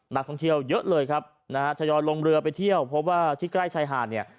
นักท่องเที่ยวเยอะเลยครับนะฮะทยอยลงเรือไปเที่ยวเพราะว่าที่ใกล้ชายหาดเนี่ย